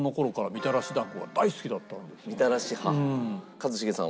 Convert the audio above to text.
一茂さんは？